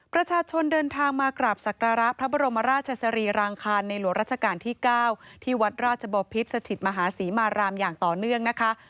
ประชาชนเดินทางมากราบศักระพระบรมราชสรีรางคารในหลวงราชการที่๙ที่วัดราชบพิษสถิตมหาศรีมารามอย่างต่อเนื่องนะคะ